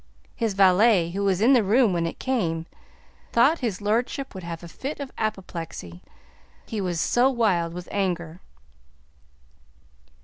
His valet, who was in the room when it came, thought his lordship would have a fit of apoplexy, he was so wild with anger.